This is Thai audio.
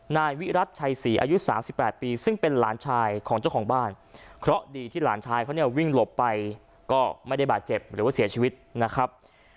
ให้ได้แปลว่าเสียชีวิตนะครับ